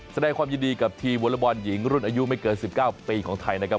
แสดงความยินดีกับทีมวอลบอลหญิงรุ่นอายุไม่เกิน๑๙ปีของไทยนะครับ